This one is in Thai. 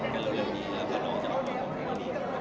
ขอบคุณครับค่ะนื่อมีความว่า